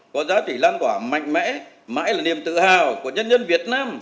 có giá trị lan tỏa mạnh mẽ mãi là niềm tự hào của nhân dân việt nam